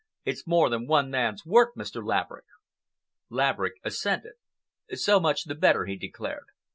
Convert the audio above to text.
It's more than one man's work, Mr. Laverick." Laverick assented. "So much the better," he declared.